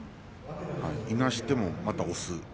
いなしてもまた押す。